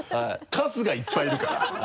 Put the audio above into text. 「春日」いっぱいいるから。